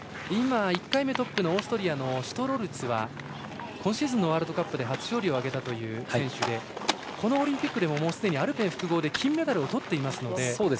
１回目トップのオーストリアシュトロルツは今シーズンのワールドカップで初勝利を挙げたという選手でこのオリンピックでももうすでにアルペン複合で金メダルをとっていますので。